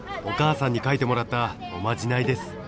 お母さんに書いてもらったおまじないです。